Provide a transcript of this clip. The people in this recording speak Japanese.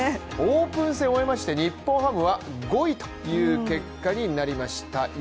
オープン戦を終えまして日本ハムは５位という結果になりました。